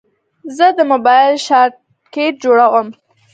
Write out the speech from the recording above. زه د موبایل شارټکټ جوړوم.